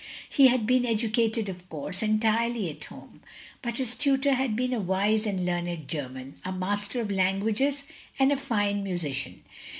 He had been educated, of course, entirely at home; but his tutor had been a wise and learned German ; a master of languages and a fine musician.